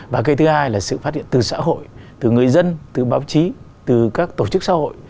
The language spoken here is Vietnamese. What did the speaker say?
và cái thứ hai là sự phát hiện từ xã hội từ người dân từ báo chí từ các tổ chức xã hội